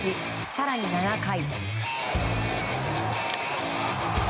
更に７回。